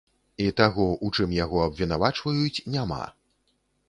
І таго, у чым яго абвінавачваюць, няма.